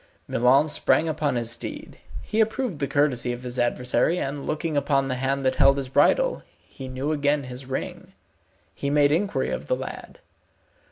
Milon sprang upon his steed. He approved the courtesy of his adversary, and looking upon the hand that held his bridle, he knew again his ring. He made inquiry of the lad.